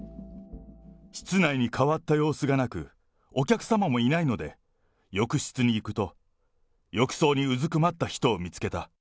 室内に変わった様子がなく、お客様もいないので、浴室に行くと、浴槽にうずくまった人を見つけた。